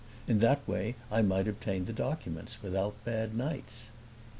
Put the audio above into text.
In that way I might obtain the documents without bad nights.